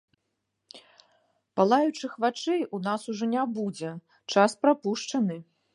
Палаючых вачэй у нас ужо не будзе, час прапушчаны.